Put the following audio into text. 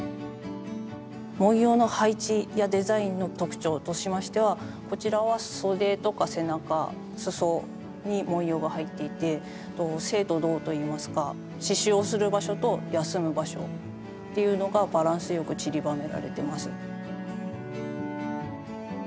文様の配置やデザインの特徴としましてはこちらは袖とか背中裾に文様が入っていて静と動といいますか刺しゅうをする場所と休む場所っていうのがバランスよくちりばめられてます。